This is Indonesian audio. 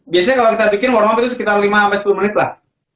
biasanya kalau kita bikin warmop itu sekitar lima sepuluh menit lah